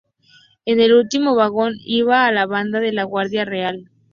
En el último vagón iba la banda de la guardia real.